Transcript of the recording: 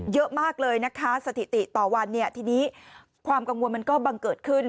เยอะมากเลยนะคะสถิติต่อวันเนี่ยทีนี้ความกังวลมันก็บังเกิดขึ้น